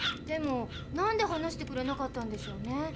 でもなんで話してくれなかったんでしょうね。